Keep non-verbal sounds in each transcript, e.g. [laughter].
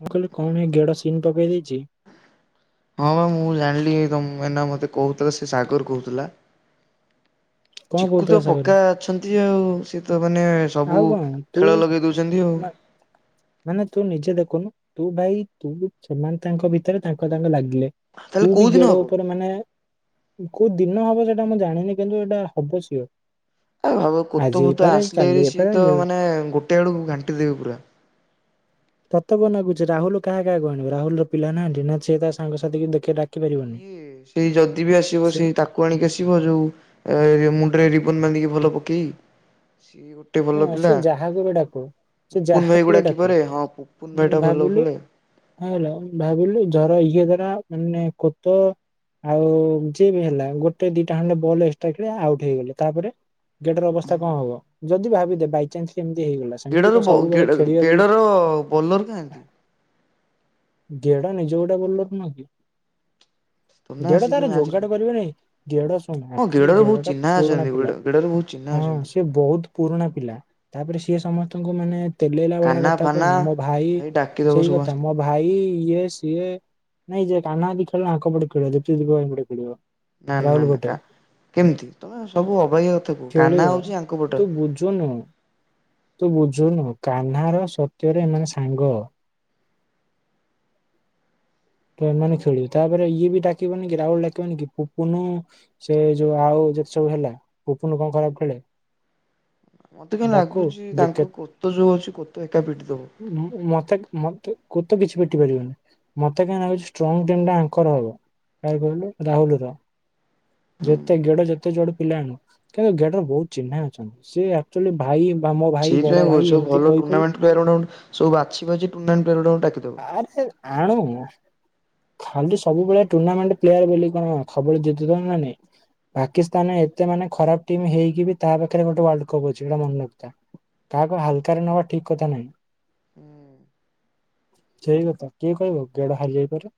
ମୁଁ କହିଲି କଣ ଏଇ ଗେଡା ସିମ୍ ପକେଇ ଦେଇଚି। ହଁ ପା ମୁଁ ଜାଣିଲି ଏଇ ତମକୁ ଏନା ମତେ କହୁଥିଲା ସେ ସାଗର କହୁଥିଲା। କଣ ଚିକୁ ତ କହୁଥିଲା ସାଗର ପକ୍କା ଅଛନ୍ତି ଆଉ ସିଏ ତ ମାନେ ଆଉ ସବୁ କଣ ତୁ ଖେଳ ଲଗେଇ ଦୋଉଚନ୍ତି ଆଉ। ମା ମାନେ ତୁ ନିଜେ ଦେଖୁନୁ ତୁ ଭାଇ ତୁ ବି ସେମାନ୍ ତାଙ୍କ ଭିତରେ ତାଙ୍କ ତାଙ୍କ ଲାଗି ଲେ ତାହେଲେ ତୁ କୋଉ ବି ଦିନ ଗେଡ ହବ? ଉପରେ ମାନେ କୋଉ ଦିନ ହବ ସେଇଟା ମୁଁ ଜାଣିନି କିନ୍ତୁ ଏଇଟା ହବ ସିଓର। ଆ ଭାବୁ ଆଜି କୁତୁପୁତ ହେଇପାରେ କାଲି ଆସିଲେରି ସି ହେଇପାରେ ତ ଯେ- ମାନେ ଗୋଟେ ବେଳକୁ ଘାଣ୍ଟି ଦେବି ପୁରା। ତତେ କଣ ଲାଗୁଛି ରାହୁଲ କାହା କାହାକୁ ଆଣିବ ରାହୁଲ ର ପିଲା ନାହାନ୍ତି। ନିଜେ ତା ସାଙ୍ଗସାଥି ଦେଖଆ ଡା ପରିବନି। କିଏ ସେଇ ଯଦି ବି ଆସିବ ସେଇ ତାକୁ ଆଣିକି ଆସିବ ଯୋଉ ମୁଣ୍ଡରେ ରିବନ ବାନ୍ଧିକି ଭଲ ପ କି ସିଏ ଗୋଟେ ଭଲ ହଁ ସେ ପିଲା ଯାହାକୁ ବି ଡାକୁ ସେ ପୁପୁନ ଭାଇ ଯାହାକୁ କୁ ବି ଡାକୁ ଡାକିପରେ ହଁ ପୁପୁନ ଭାଇ ଟା ଭଲ ଖେଳେ ହଁ ଭାବିଲୁ ଜର ଇଏ ଧାର ମାନେ କୋତ ଆଉ ଯିଏ ବି ହେଲା ଗୋଟେ ଦିଟା ଖଣ୍ଡେ ବଲ ଏକ୍ସଟ୍ରା ଖେଳ ଆଉଟ ହେଇଗଲେ ତାପରେ ଗେଡ ର ଅବସ୍ଥା କଣ ହବ ଯଦି ଭାବିଦେ ବାଇଚାନ୍ସ କେମତି ହେଇଗଲା ସେମିତି ଗେଡର କଣ ବ ଗେଡ ସବୁବେଳେ ଖେଳିବ ବୋଲେ ଗେଡର ବୋଲର କାହାନ୍ତି? ଯୋଡ଼ା ନିଜ ଗୋଟେ ବୋଲର ନୁହେଁ କି? ତନା ଗେଡ଼ ଆସିକି ତାର ମ୍ୟାଚରେ ଯୋଗାଡ ପକେଇଲେ। କରିବନିକି ଗେଡ ଶୁଣୁ ହଁ ଆକଚୁଆଲି ଗେଡରେ ବହୁତ ଗେଡ ଟା ଚିହ୍ନା ପୁରୁଣା ଅଛନ୍ତି ପିଲା ଗେଡରେ ବହୁତ ଚିହ୍ନା ହୁଁ ଅଛନ୍ତି ସିଏ ବହୁତ ପୁରୁଣା ପିଲା ତାପରେ ସିଏ ସମସ୍ତଙ୍କୁ ମାନେ ତେଲେଇଲା ଭଳିଆ କାହ୍ନା କଥା ଫାନା କୁହେନି ମୋ ଭାଇ ଡାକିଦବ ସେଇ ସବୁ କଥା ଆସିଥିବେ ମୋ ଭାଇ ଇଏ ସିଏ ନାଇଁ କାନଦି ଖେଳ ଆଙ୍କ ପଟେ ଖଳିବ ଜଟି ଜାଜି ପଟେ ଖେଳିବ ନା ନା ରାହୁଲ ଗୋଟେ ନା କେମିତି ତମେ ସବୁ ଅବାହ କଥା କୁ କାହ୍ନା ଖେଳିବ ହଉଛି ଆଙ୍କ ପ ତୁ ବୁଝୁନୁ ତୁ ବୁଝୁନୁ କାହ୍ନା ର ସତ୍ୟରେ ଏମାନେ ସାଙ୍ଗ। ତ ଏମାନେ ଖେଳିବେ ତାପରେ ଇଏ ବି ଡାକିବନି କି ରାଉଳ ଡାକିବନି କି ପୁପୁନୁ ସେ ଯୋଉ ଆଉ ଯେତେ ସବୁ ହେଲା ପୁପୁନୁ କଣ ଖରାପ ଖେଳେ? ହଁ ମତେ କାହିଁ ଡାକୁ ଲାଗୁଛି ତାଙ୍କ କୋତେ ଯୋଉ ଅଛି କୋତେ ହୁଁ ମତେ ମତେ କୁ ତ କିଛି ପିଟି ପାରିବନି ମତେ କାହିଁ ଲାଗୁଛି ଷ୍ଟ୍ରଙ୍ଗ ଟିମ୍ ଟା ଆଙ୍କର ହବ। କାହା କୁ କହିଲୁ ରାହୁଲୁ ର ହୁଁ ଯେତେ ଗେଡ ଯେତେ ଯୋଡ ପିଲାଣୁ କିନ୍ତୁ ଗେଡର ବହୁତ ଚିହ୍ନା ଅଛନ୍ତି। ସେ ଆଚୁଆଲି ଭାଇ ବା ମୋ ଭାଇ ଠିକ୍ ବଡ ନାଇଁ ବେ ଭାଇ ସେ ଏମିତି ଭଲ କହି କହି ଟୁର୍ଣ୍ଣାମେଟ ପରେ ସବୁ ବାଛି ବାଛି ଟୁନାଣ୍ଟନ ପରିଡା କୁ ଡାକି ଦୋବୁ। ଆରେ ଆଣୁ ଖାଲି ସବୁବେଳେ ଟୁର୍ଣ୍ଣାମେଣ୍ଟ ପ୍ଲେୟାର ବୋଲି କଣ ଖବବେ ଜିତଥା ନା ନାଇଁ ପାକିସ୍ତାନ ଏତେ ମାନେ ଖରାପ ଟିମ୍ ହେଇକି ବି ତା ପାଖରେ ଗୋଟେ ୱାର୍ଲ କପ୍ ଅଛି ଗୋଟା ମନେ ଲତା କାହାକୁ ହାଲକାରେ ନବା ଠିକ କଥା ନାହିଁ। ହୁଁ। ସେଇ କଥା କିଏ କହିବ ଗେଡ ହାରିଯାଇପାରେ।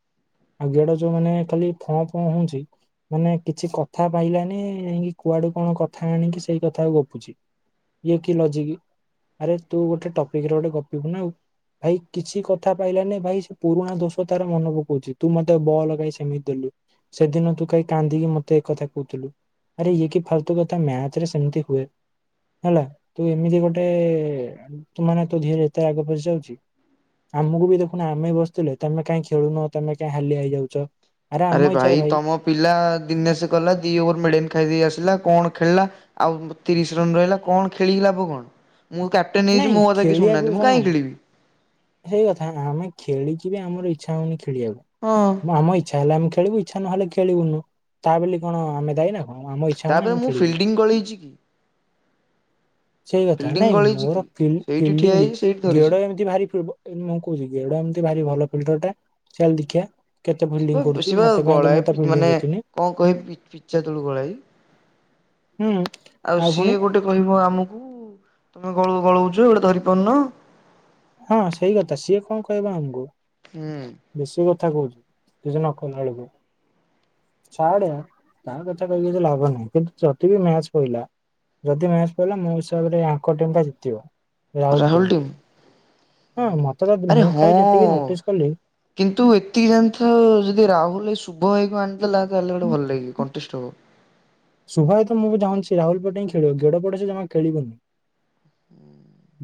ଆ ଗେଡ଼ ଯୋଉ ମାନେ ଖାଲି ଫଁ ଫଁ ହୋଉଛି ମାନେ କିଛି କଥା ପାଇଲାନି ଯକି କୁଆଡୁ କଣ କଥା ଆଣିକି ସେଇ କଥା ଗପୁଛି। ଇଏ କି ଲଜିକ ଆରେ ତୁ ଗୋଟେ ଟପିକରେ ଗୋଟେ ଗପିବୁନା ନା ଆଉ। ଭାଇ କିଛି କଥା ପାଇଲାନି ଭାଇ ସେ ପୁରୁଣା ଦୋଷ ତାର ମନେ ପକାଉଛି ତୁ ମତେ ବଲଗାଇ ସେମିତି ଦେଲୁ ସେଦିନ ତୁ କାହି କାନ୍ଦିକି ମତେ ଏଥା କହୁଥିଲୁ। ଆରେ କିି ଫଲତୁ କଥା ମ୍ୟାଥରେ ସେମିତି ହୁଏ। ହେଲା ତୁ ଏମିତି ଗୋଟେ ତୁ ମାନେ ତୋ ଧରେ ଏତେ ଆଗ ପ ଯାଉଚି ଆମକୁ ବି ଦେଖୁନ ଆମେ ବସିୁଥିଲେ ତମେ କାଇହିଁ ଖେଳୁନ ତମେ କାଇହିଁ ହାଲିଆ ହେଇଯାଉଛ। ଆରେ ଭାଇ ତମ ପିଲା ଦିନେସ ଗଲା ଦି ଗୋର ମେଡନ ଖାଇଦେଇ ଆସିଲା କଣ ଖେଳିଲା ଆଉ ତିରିଶ ରନ ରହିଲା କଣ ଖେଳି କି ଲାଭ କଣ? ମୁଁ କ୍ୟାପ୍ଟେନ ହେଇଛି ନାଇଁ ମୋ କଥା କି ଖେଳିବାକୁ ଶୁନାହାନ୍ତି ମୁଁ ଶୁଣୁ କାହିଁ ଖେଳିବି। ସେଇ କଥା ଆମେ ଖେଳିକ ବି ଆମର ଇଚ୍ଛା ହଉନି ହଁ ଖଳିବାକୁ ଆମ ଇଚ୍ଛା ହେଲେ ଆମେ ଖେଳିବୁ ଇଚ୍ଛା ନହେଲେ ଖେଳିବୁନୁ ତା ବୋଲି କଣ ଆମେ ଦାଇନା ହଁ ଆମ ଇଚ୍ଛା ହଉନି ତାପରେ ଆମେ ମୁଁ ଖେଳିବୁ। ଫିଲ୍ଡିଂ ଗଳେଇଛି କି ସେଇ କଥା ଫିଲ୍ଡିଂ ନାଇଁ ଗଳେଇଛି କି ମୋର ସେଇଠି ଠିଆ ଫିଲ୍ଡିଙ୍ଗ ହେଇଛି ସେଇଠି ଧରିଛି। ଗେଡ ଏମିତି ଭାରି ଫ ମୁଁ କହୁଛି ଗେଡ ଏମ ଭାରି ଭଲ ଫିଲଟରଟା ଚାଲ ଦେଖିବା। କେତେ ଫିଲ୍ଡିଂ ସେ କରୁଛି ସିବା ମତେ କାହିଁ ତ ମୁଁ ଗଳାଏ ତ ଫିଲ୍ଡିଂ ମାନେ ଦେଖିନି କଣ କହିବି ପି-ପି-ପିଚା ତଳୁ ଗଳାଏ। ହୁଁ ଆଉ ସିଏ ଗୋଟେ କହିବ ଆମକୁ ତମେ ଗଳ ଗଳଉଛୁ ଗୋଟେ ଧରି ପାରୁନ। ହଁ ସେଇ କଥା, ସିଏ କଣ କହିବ ଆମକୁ? ହୁଁ। ବେଶୀ କଥା କହୁଛୁ କିଛି ନ କଲା ବେଳକୁ। ଛାଡ ତା କଥା କହି କିଛି ଲାଭ ନାହିଁ, କିନ୍ତୁ ଯଦି ବି ମ୍ୟାଚ ପଇଲା ଯଦି ମ୍ୟାଚ ପଇଲା ମୋ ହିସାବରେ ୟାଙ୍କ ଟିମଟା ଜିତିବ ରାହୁଲ ଟିମଟା। ହ ଆରେ ହଁ ଯେତିକି ନୋଟିସ୍ କଲି କିନ୍ତୁ ଏତିକି ଜାଣିଥା ଯଦି ରାହୁଲ ଏ ଶୁ କୁ ଆଣିିଦେଲା ତାହାଲେ ଗୋଟେ ଭଲ ଲାଗିବ, କଣ୍ଟେଷ୍ଟ ହବ। ଶୁଭୟ ତ ମୁଁ ବି ଚାହୁଁଛି ରାହୁଲ ପଟେ ହିଁ ଖେଳିବ ଗେଡ଼ ପଟେ ସେ ଜମା ଖେଳିବନି।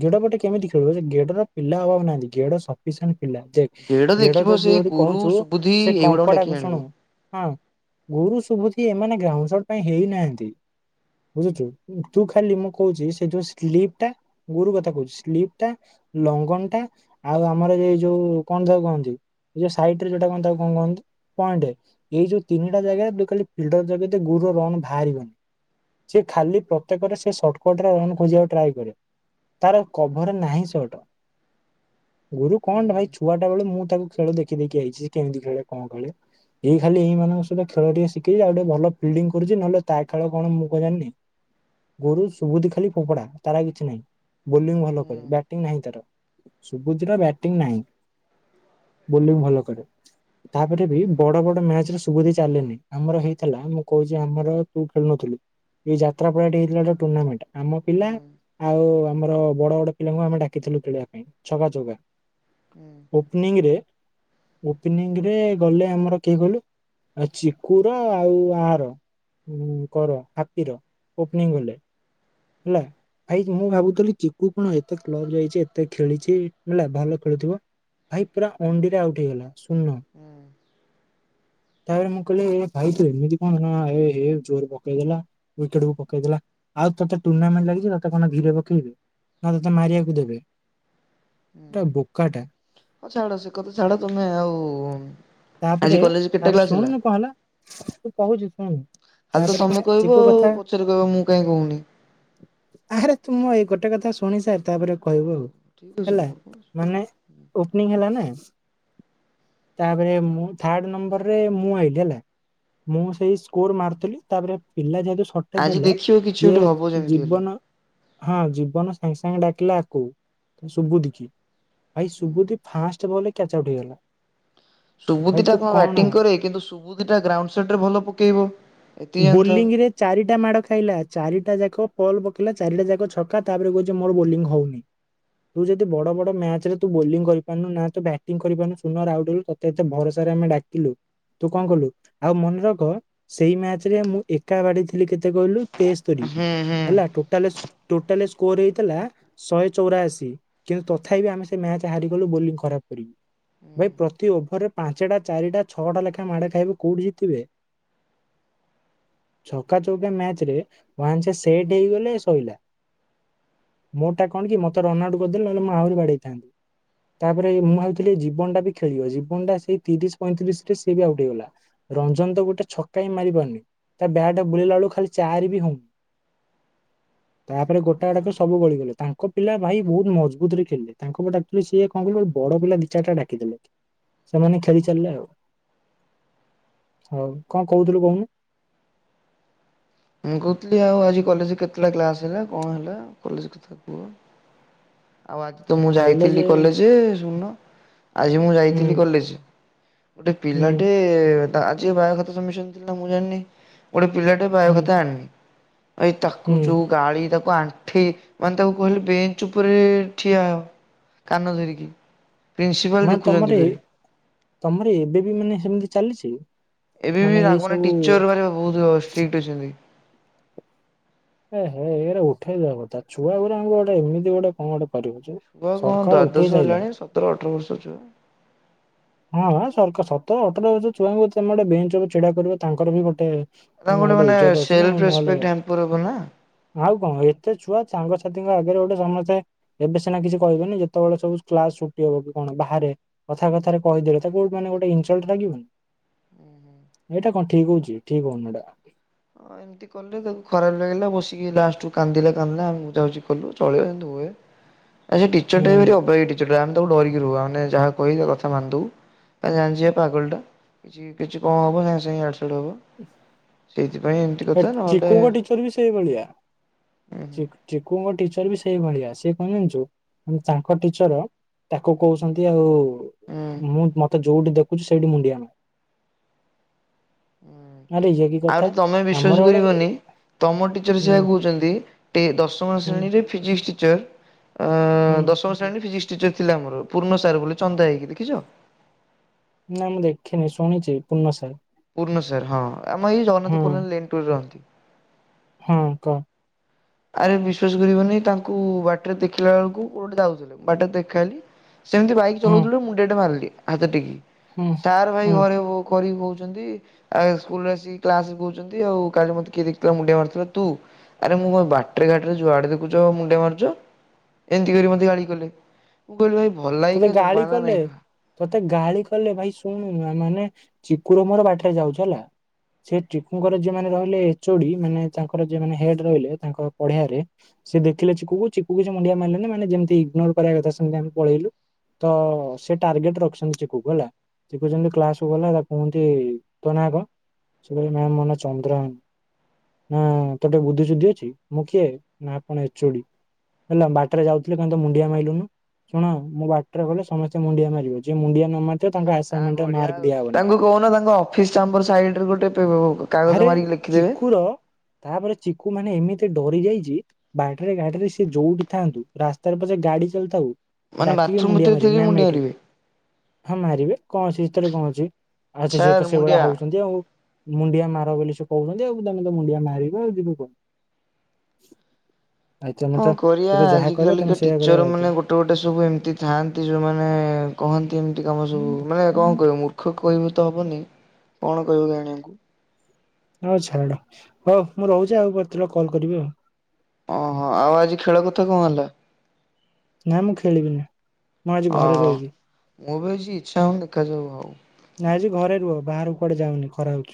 ଗେଡ ପଟେ କେମିତି ଖେଳିବ ଗେଡ ର ପିଲା ହଉ ନାହାନ୍ତି, ଗେଡ଼ ସଫିସେଣ୍ଟ ପିଲା ଦେଖ ଗେଡ ଦେଖିବ ସେଇ ଯ-ଯଦି ଗୁରୁ କହୁଛୁ, ସୁବୁଧି ସେ ଏଇଗୁଡାଙ୍କୁ ଡାକି କଙ୍କଡାକୁ ଆଣିବ। ଶୁଣୁ ହଁ ଗୁରୁ ଶୁଭୁଛି ଏମାନେ ଘ୍ରାଉଶଡ ପାଇଁ ହେଇନାହାନ୍ତି। ବୁଝୁଛୁ ତୁ ଖାଲି ମୁଁ କହୁଛି ସେଇ ଯୋଉ ସ୍ଲିପଟା, ଗୋରୁ କଥା କହୁଛି ସ୍ଲିପ ଟା ଲଙ୍ଗନ ଟା ଆଉ ଆମର ଏଇ ଯୋଉ କଣ ତାକୁ କହନ୍ତି? ଏଇ ଯୋଉ ସାଇଟ ରେ ଯୋଉଟା କଣ ତାକୁ କଣ କହନ୍ତି? ପଏଣ୍ଟ ରେ ଏଇ ଯୋଉ ତିନିଟା ଜାଗାରେ ତୁ ଖାଲି ଫିଲଡର ଜଗେଇ ଦେ ଗୁରୁର ରନ୍ ବାହାରିବନି। ସେ ଖାଲି ପ୍ରତ୍ୟେକରେ ସେ ସର୍ଟକଟରେ ରନ୍ ଖୋଜିବାକୁ ଟ୍ରାଏ କରେ। ତାର କଭର ନାହିଁ ସଟ। ଗୁରୁ ହୁଁ କଣ ଭାଇ ଛୁଆଟା ବେଳୁ ମୁଁ ତାକୁ ଖେଳୁ ଦେଖି ଦେଖି ଆଇଛି କେମିତି ଖେଳେ କଣ ଖେଳେ। ଏଇ ଖାଲି ଏଇ ମାନଙ୍କ ସହିତ ଖେଳ ଟିକେ ଶିଖି ଆଉ ଟିକେ ଭଲ ଫିଲ୍ଡିଂ ଛି ନହେଲେ ତା ଖେଳ କଣ ମୁଁ କ ଜାଣିନି, ଗୋରୁ ସୁଦୁ ଖାଲି ଫୋପଡା ତାର କିଛି ନାହିଁ। ବୋଲିଂ ଭଲ ହୁଁ କରେ, ବ୍ୟାଟିଂ ନାହିଁ ତାର, ସୁବୁଜର ବ୍ୟାଟିଂ ନାହିଁ। ବୋଲିଂ ଭଲ କରେ। ତାପରେ ବି ହୁଁ ବହୁତ୍ ବଡ ବଡ ମ୍ୟାଚରେ ସୁବୋଧି ଚାଲେନି, ଆମର ହେଇଥିଲା ଆମକୁ କହୁଛି ଆମର ତୁ ଖେଳୁନଥିଲୁ, ଏ ଯାତ୍ରା ପରେ ହେଇଥିଲା ଗୋଟେ ଟୁର୍ଣ୍ଣାମେଣ୍ଟ ଆମ ପିଲା ହୁଁ ଆଉ ଆମର ବଡ ବଡ ପିଲାଙ୍କୁ ଆମେ ଡାକିଥିଲୁ ଖେଳିବା ପାଇଁ ଛକା, ଚୌକା। ହୁଁ ଓପନିଂରେ ଓପନିଂ ରେ ଗଲେ ଆମର କିଏ କହିଲୁ ଚିକୁ ର ଆଉ ଆର। କର ହାପିର ଓପନିଙ୍ଗ ଗଲେ, ହେଲା? ଭାଇ ମୁଁ ଭାବୁଥିଲି ଚିକୁ କଣ ଏତେ କ୍ଲବ ଯାଇଛି, ଏତେ ଖେଳିଛି ହେଲା ଭଲ ଖେଳିୁଥିବ। ଭାଇ ପୁରା ଅଣ୍ଡିରେ ଆଉଟ୍ ହେଇଗଲା, ଶୁନ। ହୁଁ। ତାରେ ମୁଁ କହିଲି ଭାଇ ତୁ ଏମିତି କଣ ଏହେ ଜୋର ପକେଇଦେଲା ୱିକେଟକୁ ପକେଇଦେଲା, ଆଉ ତୋତେ ଟୁର୍ଣ୍ଣାମେଣ୍ଟ ଲାଗିଛି ତତେ କଣ ଧୀରେ ବଲ୍ ପକେଇବେ, ନା ତତେ ମାରିବାକୁ ଦେବେ? ଏଟା ବୋକାଟା ହଉ ଛାଡ ସେ କଥା ଛାଡ ତମେ ଆଉ ଆଜି ତାପରେ କଲେଜ କେତେ ତାପରେ କ୍ଲାସ ଶୁଣୁନୁ କଣ ହେଲା, ମୁଁ କହୁଛି ଶୁଣୁ। ଖାଲି ତ ତାପରେ ମ ତମେ କହିବ ଚିକୁ ଆଉ କଥା, ପଛରେ କହିବ ମୁଁ କାହିଁ କହୁନି। ଆରେ ତୁମ ଏଇ ଗୋଟେ ଗୋଟେ କଥା ଶୁଣି ସାର ତାପରେ ହଉ କହିବୁ ହଉ ଆଉ ଠିକ ଅଛି ହେଲା, ମୋର କଣ ଅଛି ମାନେ ଓପନିଂ ହେଲା ନା ତାପରେ ମୁଁ ଥାର୍ଡ ନମ୍ବରରେ ମୁଁ ଆଇଲିି ହେଲା। ମୁଁ ସେଇ ସ୍କୋର ମାରିଥିଲି, ତାପରେ ପିଲା ଯେହେତୁ ସଟେଜ ଆଜି ହେଲେ, ଦେଖିବ କିଛି ଯେ ଗୋଟେ ହବ ଯେମିତି ହେଲେ। ଜୀବନ ହଁ ଜୀବନ ସାଙ୍ଗେ ସାଙ୍ଗେ ଡାକିଲା ଆକୁ ସୁବୁଧି କିି ଭାଇ ସୁବୁଧି ଫାଷ୍ଟ ବଲ ରେ କ୍ୟାଚ୍ ଆଉଟ୍ ହେଇଗଲା। ଭାଇ ସୁବୁଧି ଟା ତୁ କଣ ବ୍ୟାଟିଂ କରେ, କିନ୍ତୁ ସୁବୁଧିଟା ଗ୍ରାଉଣ୍ଡ ସେଟରେ ଭଲ ପକେଇବ। ଏତିକି ଜାଣିଥାଉ ବୋଲିଂରେ ଚାରିଟା ମାଡ ଖାଇଲା, ଚାରିଟା ଯାକ ବଲ୍ ପକେଇଲା ଚାରିଟା ଯାକ ଛକା, ତାପରେ କହୁଛି ମୋର ବୋଲିଂ ହଉନି। ତୁ ଯଦି ବଡ ବଡ ମ୍ୟାଚରେ ତୁ ବୋଲିଂ କରିପାରୁନୁ ନା ତ ବଟିଂ କରିପାରୁନୁ ସୁନରେ ଆଉଟୁ ତତେ ଏତେ ଭରସା ଆମେ ଡାକିଲୁ ତୁ କଣ କଲୁ ଆଉ ମନେ ରଖ ସେଇ ମ୍ୟାଚ ମୁଁ ଏକା ବାଡ଼େଇ ଥିଲି କେତେ କହିଲୁ ତେସ୍ତରୀ ହୁଁ ହୁଁ ହେଲା ଟୋଟାଲ ସ ଟୋଟାଲ ସ ସ୍କୋର ହେଇଥିଲା ଶହେ ଚଉରାଅଶୀ କିନ୍ତୁ ତଥାପି ଆମେ ସେ ମ୍ୟାଚ ହାରିଗଲୁ ବୋଲିଂ ଖରାପ କରିବୁ। ହୁଁ ଭାଇ ପ୍ରତି ଓଭରରେ ପାଞ୍ଚଟା ଚାରିଟା ଛଅଟା ଲେଖାଏଁ ମାଡ଼େ ଖାଇବୁ କୋଉଠି ଜିତିବେ? ଛକା ଚୌକା ମ୍ୟାଚରେ ଭନ୍ସା ସେଟ୍ ହେଇଗଲେ ଶଇଲା। ମୋଟା କଣ କି ମତେ ରନ ଆଉଟ କରିଦେଲେ, ନହେଲେ ମୁଁ ଆହୁରି ବାଡେଇଥାନ୍ତି। ତାପରେ ମୁଁ ଭାବଥିଲି ଜୀବନଟା ବି ଖେଳିବ ଜୀବନଟା ସେଇ ତିରିଶ ପଇଁତିରିଶ ରେ ସିଏ ବି ଆଉଟ ହେଇଗଲା। ରଞ୍ଜନ ତ ଗୋଟେ ଛକା ହିଁ ମାରି ପାରୁନି ତା ବ୍ୟାଟ ବୁଲିଲା ବେଳକୁ ଖାଲି ଚାରି ବି ହଉ ହ ତାପରେ ଗୋଟା ଗଟାତ ସବୁ ଗଳିଗଲେ ତାଙ୍କ ପିଲା ଭାଇ ବହୁତ ମଜବୁତରେ ଖେଳିଲେ ତାଙ୍କ ଡାକୁ ଥିଲି ସିଏ କଣ କ ବଡ ପିଲା ଦି ଚାରଟା ଡାକିଦବୁ ସେମାନେ ଖେଳି ଚାଲିଲେ ଆଉ ହଉ କଣ କହୁଥିଲୁ କହୁନୁ? ମୁଁ କହୁଥିଲି ଆଜି କଲେଜ କେତେବେଳେ କ୍ଲାସ ହେଲା କଣ ହେଲା କଲେଜ କଥା କୁହ? ଆଉ ଆଜି ତ ମୁଁ କଲେଜ ଯାଇଥିଲି କଲେଜ ଶୁଣୁନ ଆଜି ମୁଁ ଯାଇଥିଲି ହୁଁ କଲେଜ ଗୋଟେ ହୁଁ ପିଲାଟେ ତା ଆଜି ବାୟ ଖାତା ସବମିଶନ ଥିଲା ନା ମୁଁ ଜାଣିନି ଗୋଟେ ପିଲାଟେ ବାୟ ହୁଁ ଖାତା ଆଣିନି ଭାଇ ତାକୁ ହୁଁ ଯୋଉ ଗାଳି ତାକୁ ଆଣ୍ଠେଇ ମାନେ ତାକୁ କହିଲି ବେଞ୍ଚ ଉପରେ ଠିଆ ହଅ କାନ ଧରିକି। ପ୍ରିନ୍ସିପାଲ ମାନେ ଦେଖୁଛନ୍ତି ତମର ଏ ଫେରେ। ତମର ଏବେ ବି ମାନେ ସେମିତି ଚାଲିଛି। ଏବେବି ଏଇ ଆଗ ମାନେ ସବୁ ଟିଚର ଭରି ବହୁତ ଷ୍ଟ୍ରିକ ଅଛନ୍ତି। ଏହେ ଏଇରା ଉଠେଇ ଦବା କଥା ଛୁଆ ଗୁରାଙ୍କୁ ଗୋଟେ ଏମିତି ଗୋଟେ କଣ ଗୋଟେ କରିବ ଯେ ଛୁଆ କଣ ସରକାର ଉଠେଇ ଦ୍ଵାଦଶ ସାରିଲାଣି ହେଲାଣି ସତର ଅଠର ବର୍ଷ ଛୁଆ ହଁଁ ହଁ ସର୍କ ସତର ଅଠର ବର୍ଷର ଛୁଆଙ୍କୁ ତମେ ଗୋଟେ ବେଞ୍ଚ ଛିଡା କରିବ ତାଙ୍କର ବି ଗୋଟେ ତାଙ୍କୁ ମାନେ ଗୋଟେ ମାନେ ଇଜ୍ଜତ ଅଛି ନା ସେଲ୍ଫ ନହେଲେ ରେସ୍ପେକ୍ଟ ହ୍ୟାମ୍ପର ହବ ନା। ଆଉ କଣ ଏତେ ଛୁଆ ସାଙ୍ଗସାଥିଙ୍କ ଆଗରେ ଗୋଟେ ସମସ୍ତେ ଏବେ ସିନା କିଛି କହିବେନି ଯେତେବେଳେ ସବୁ କ୍ଲାସରୁ କଣ ବାହାରେ କଥା କଥାରେ କହିଦେଲେ ତାକୁ ମାନେ ଗୋଟେ ଇନସଲର୍ଟ ଲାଗିବନି। ଏଇଟା କଣ ଠିକ ହଉଛି ଠିକ ହଉନି ଏଇଟା। ହଁ ଏମିତି କଲେ ତାକୁ ଖରାପ ଲାଗିଲା ବସିକି ଲାଷ୍ଟକୁ କାନ୍ଦିଲା କାନ୍ଦିଲା ଆମେ ବୁଝା ବୁଝି କଲୁ ଚଳିବ ଏମିତି ହୁଏ। ଆସେ ଟିଚର ଟା ଭରି ବ ଅବାଗିଆ ଟିଚରଟା ଆମେ ତାକୁ ଡିରିକି ରୁହ ଆମେ ଯାହା କହିଲେ କଥା ମାନିଦଉ ଆ ଜାଣିଛି ପା ପାଗଲ ଟା କିଛି କିଛି କଣ ହବ ସାଙ୍ଗେ ସାଙ୍ଗେ ଇଆଡ଼େ ସିଆଡେ ହବ ସେ ଚିକୁଙ୍କ ଟିଚର ବି ସେଇ ଭଳିଆ ଉଁ ଚି -ଚିକୁଙ୍କ ଟିଚର ବି ସେ ସେଇ ଭଳିଆ ସେ କଣ ଜାଣିଛୁ ତାଙ୍କ ଟିଚର ତାକୁ କହୁଛନ୍ତି ଆଉ ହୁଁ ମ-ମତେ ଯୋଉଠି ଦେଖୁଛି ସେଇଠି ମୁଣ୍ଡିଆ ମାରେ। ଆରେ ଇଏକି କଥା? ଆମର ବିଶ୍ୱାସ ଗୋଟେ କରିବନି ତମ ଟିଚର ହୁଁ ସେଇଆ କହୁଛନ୍ତି ଏ ଦଶମ ହୁଁ ଶ୍ରେଣୀରେ ଫିଜିକ୍ସ ଟିଚର ହୁଁ ଅ ଦଶମ ଶ୍ରଣୀ ଫିଜିକ୍ସ ଟିଚର ଥିଲା ଆମର ପୂର୍ଣ୍ଣ ସାର ବୋଲି ଚନ୍ଦା ହେଇକି ଦେଖିଛ? ନା ମୁଁ ଦେଖିନି ଶୁଣିଛି ପୂର୍ଣ୍ଣ ସାର୍ ପୂର୍ଣ୍ଣ ସାର ହଁ ଆମ ଏଇ ଜଗନ୍ନାଥ ହୁଁ କଲୋନୀ ଲେନ ଟୁରେ ରହନ୍ତି। ହଁ କହ। ଆରେ ବିଶ୍ଵାସ କରିବନି ତାଙ୍କୁ ବାଟରେ ଦେଖିଲା ବେଳକୁ କୁଆଡେ ଯାଉଥିଲେ ବାଟରେ ଦେଖାହେଲି ସେମିତି ବାଇକ ହୁଁ ଚଲଉଥିଲେ ମୁଣ୍ଡିଆ ଟେ ମାରିଲି ହାତ ଟେକୀକି ହୁଁ ସାର୍ ଭାଇ ହୁଁ ଘରେ [unintelligible] କହି ଚନ୍ତି ଆଉ ସ୍କୁଲରେ ଆସିକି କ୍ଲାସରେ କହୁଛନ୍ତି ଆଉ କାଲି ମତେ କିଏ ଦେଖଥିଲା ମୁଣ୍ଡିଆ ମାରୁଥିଲା ତୁ ଆରେ ମୁଁ ବା ବାଟରେ ଘାଟରେ ଯୁଆଡେ ଦେଖୁଛ ମୁଣ୍ଡିଆ ମାରୁଛ ଏମିତି କରି ମତେ ଗାଳି କଲେ ମୁଁ କହିଲି ଭା ଭଳୟିକ ଜମାନା। [unintelligible] ମତେ ଗାଳି କଲେ ଭାଇ ଶୁଣୁନୁ ମାନେ ଚିକୁର ମୋର ବାଟରେ ଯାଉଛ ହେଲା ସେ ଚିକୁଙ୍କର ଯୋଉମାନେ ରହିଲେ ଏଚୋଡି ମାନେ ତାଙ୍କର ଯୋଉମାନେ ହେଡ ରହିଲେ ତାଙ୍କ ପଢିଆରେ ସେ ଦେଖିଲେ ଚିକୁ କୁ, ଚିକୁ କୁ ସେ ମୁଣ୍ଡିଆ ମାରିଲେଣି ମାନେ ଯେମିତି ଇଗନୋର କରିବା କଥା ସେମିତି ଆମେ ପଳେଇଲୁ। ତ-ଅ-ଅ-ଅ ସେ ଟାର୍ଗେଟ ରଖିଛନ୍ତି ଚିକୁ କୁ ହେଲା। ଚିକୁ ଯେମିତି କ୍ଲାସ କୁ ଗଲା, ତାକୁ କୁହନ୍ତି ତୋ ନା କଣ? ସେ କହିଲା ନାଇ ମୋ ନା ଚନ୍ଦ୍ରଭାନୁ। ନା-ଆ-ଆ-ଆ ତୋର ବୁଦ୍ଧି ସୁୁଦ୍ଧି ଅଛି ମୁଁ କିଏ, ନା ଆପଣ ଏ ଚୋ ଡି। ହେଲା ବାଟରେ ଯାଉଥିଲି କାଇଁ ତୁ ମୁଣ୍ଡିଆ ମାଇଲୁନୁ, ଶୁଣ ମୁଁ ବାଟରେ ଗଲେ ସମସ୍ତେ ମୁଣ୍ଡିଆ ମାରିବ ଯିଏ ମୁଣ୍ଡିଆ ନ ମାରି ଆ ବଢିଆ ଆଉ ତାଙ୍କୁ କହୁନ ତାଙ୍କ ଅଫିସ ଚାମ୍ବର ସାଇଡରେ ଗୋଟେ ପେ-ଅ-ଅ-ଅ କାଗଜ ଆରେ ମାରିକି ଲେଖିଦେବେ ଚିକୁର ତାପରେ ଚି ତାକୁ ମାନେ ଏମିତି ଡରି ଯାଇଛି ବାଟରେ ଘାଟରେ ସେ ଯୋଉଠି ଥାଆନ୍ତୁ, ରାସ୍ତାରେ ପଛେ ଗାଡି ଚାଲିଥାଉ ମାନେ ଡାକିକି ବାଥରୁମ ମୁଣ୍ଡିଆ ଭିତରେ ଥିଲେ ମାରିବ ବି ମ୍ୟାମ୍ ମୁଣ୍ଡିଆ ଏଇଠି। ମାରିବେ ହଁ ମାରିବେ କଣ ସେଥିରେ କଣ ଅଛି। ଅଛି ସାର୍ ସେତ ସେଇଭଳିଆ ମୁଣ୍ଡିଆ ହଉଛନ୍ତି ଆଉ। ମୁଣ୍ଡିଆ ମାର ବୋଲି ସେ କହୁଛନ୍ତି ଆଉ ତମେ ତ ମୁଣ୍ଡିଆ ମାରିବ ଆଉ ଯିବ କୁଆଡେ। [inaudible] କଣ ସେ କରିବା ତ ଯାହା ଆଜି କହିବେ ତମେ କାଲିକା ସେଇଆ କରିବା ଟିଚର ବାଧ୍ୟ। ମାନେ ଗୋଟେ ଗୋଟେ ସବୁ ଏମତି ଥାଆନ୍ତି ଯୋଉମାନେ-ଏ-ଏ-ଏ କହନ୍ତି ଏମିତି କାମ ସବୁ ମାନେ କଣ କହିବି ମୂର୍ଖ କହିବୁ ତ ହବନି କଣ କହିବ କେଜାଣି ଆଙ୍କୁ। ଆଉ ଛାଡ ହଉ ମୁଁ ରହୁଛି। ଆଉ କେତେବେଳେ କଲ୍ କରିବି ଆଉ। ଓହୋ ଆଉ ଆଜି ଖେଳ କେତେ କଣ ହେଲା? ନାଁ ମୁଁ ଖେଳିବିନି। ମୁଁ ଆଜି ହଁ ଘରେ ହଉ ରହିବି। ମୁଁ ବି ଆଜି ଇଚ୍ଛା ହଉନି ଦେଖାଯାଉ ହଉ। ନାଇ ଆଜି ଘରେ ରୁହ ବାହାର କୁଆଡେ ଯାଉନି ଖରା ହେ